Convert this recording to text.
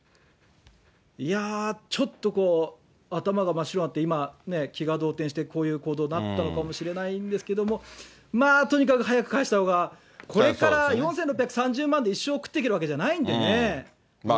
いやー、ちょっと頭が真っ白になって、今、気が動転して、こういう行動になったのかもしれないんですけど、まあとにかく早く返したほうが、これから４６３０万で一生食っていけるわけじゃないんでね。